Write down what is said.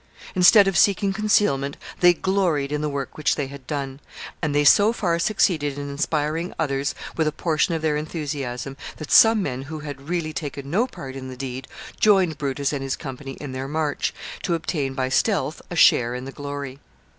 Instead of seeking concealment, they gloried in the work which they had done, and they so far succeeded in inspiring others with a portion of their enthusiasm, that some men who had really taken no part in the deed joined Brutus and his company in their march, to obtain by stealth a share in the glory.